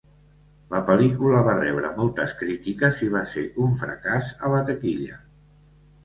La pel·lícula va rebre moltes crítiques i va ser un fracàs a la taquilla.